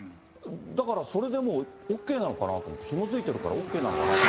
だからそれでもう、ＯＫなのかなと思って、ひも付いてるからＯＫなのかと。